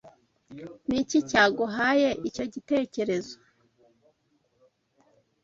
Niki cyaguhaye icyo gitekerezo?